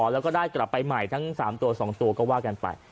แล้วก็ได้กลับไปใหม่ทั้ง๓ตัว๒ตัวก็ว่ากันไป